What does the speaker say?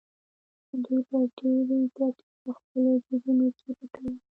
دوی به ډېرې ګټې په خپلو جېبونو کې پټولې